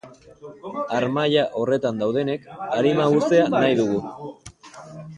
Harmaila horretan daudenek arima uztea nahi dugu.